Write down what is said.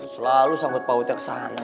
selalu sambut pautnya ke sana